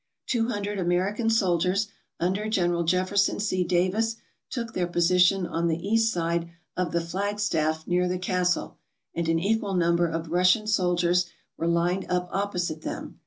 Two hundred American soldiers under General Jefferson C Davis took their position on the east side of the flag staff near the castle, and an equal number of Russian soldiers were lined up opposite them.